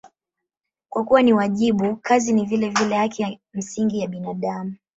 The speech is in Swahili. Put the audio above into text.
Kwa kuwa ni wajibu, kazi ni vilevile haki ya msingi ya binadamu.